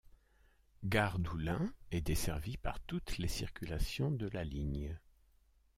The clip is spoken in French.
Gare d'Oullins est desservie par toutes les circulations de la ligne.